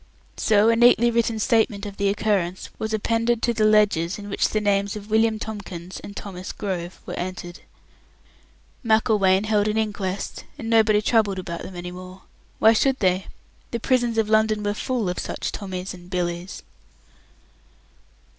So a neatly written statement of the occurrence was appended to the ledgers in which the names of William Tomkins and Thomas Grove were entered. Macklewain held an inquest, and nobody troubled about them any more. Why should they? The prisons of London were full of such Tommys and Billys.